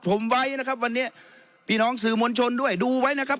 ผมไว้นะครับวันนี้พี่น้องสื่อมวลชนด้วยดูไว้นะครับ